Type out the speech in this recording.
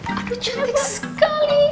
aduh cantik sekali